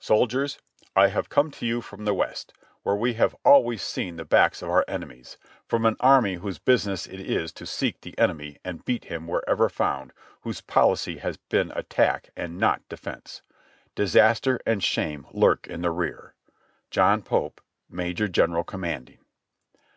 230 JOHNNY REB AND BILLY YANK "Soldiers : "I have come to you from the West, where we have always seen the backs of our enemies, from an army whose business it is to seek the enemy and beat him wherever found, whose policy has been attack and not defense. "Disaster and shame lurk in the rear. "John Pope, "Major General Commanding."